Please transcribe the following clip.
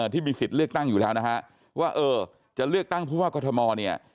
ที่มีสิทธิ์เลือกตั้งอยู่แล้วนะฮะว่าเออจะเลือกตั้งผู้ว่ากรทมเนี่ย